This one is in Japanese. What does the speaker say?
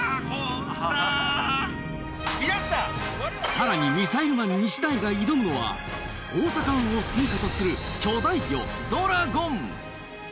更にミサイルマン西代が挑むのは大阪湾を住みかとする巨大魚ドラゴン！